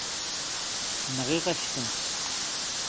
Nɣiɣ-ak-tent.